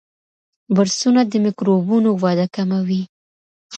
برسونه د میکروبونو وده کموي.